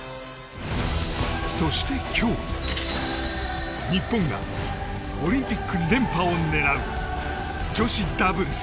そして今日、日本がオリンピック連覇を狙う女子ダブルス。